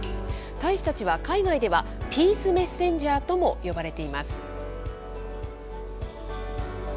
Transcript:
大使たちは海外ではピース・メッセンジャーとも呼ばれています。